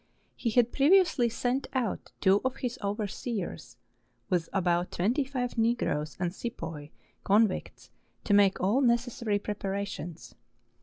He had pre¬ viously sent out two of his overseers with about twenty five Negroes and Sepoy convicts to make all necessary preparations.